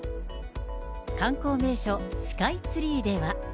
観光名所、スカイツリーでは。